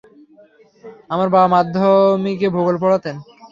আমার বাবা মাধ্যমিকে ভূগোল পড়াতেন।